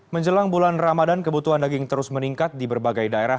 menjelang bulan ramadan kebutuhan daging terus meningkat di berbagai daerah